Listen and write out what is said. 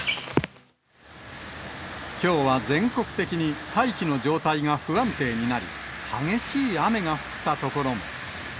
きょうは、全国的に大気の状態が不安定になり、激しい雨が降った所も。